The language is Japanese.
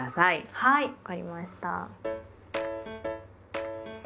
はい分かりました。